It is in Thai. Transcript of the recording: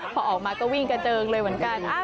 พอออกมาก็วิ่งกระเจิงเลยเหมือนกัน